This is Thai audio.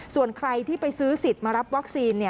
ส่วนใครที่ไปซื้อสิทธิ์มารับวัคซีน